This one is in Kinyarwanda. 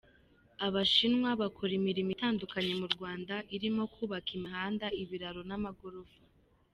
Abashinwa bakora imirimo itandukanye mu Rwanda irimo kubaka imihanda, ibiraro n’ amagorofa.